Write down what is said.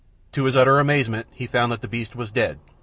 To his utter amazement he found that the beast was dead.